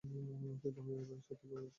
কিন্তু আমি ঐ ভয়ের সাথে লড়েছি, মলি।